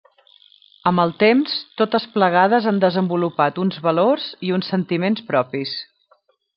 Amb el temps totes plegades han desenvolupat uns valors i uns sentiments propis.